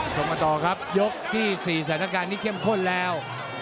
ส่งต่อครับยกที่๔ทรัศนการนี้เก็มข้นแล้ว